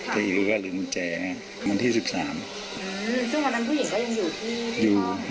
ที่อยู่ก็ลืมแจวันที่สิบสามอืมซึ่งวันนั้นผู้หญิงก็ยังอยู่ที่